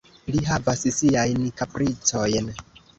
Li havas siajn kapricojn.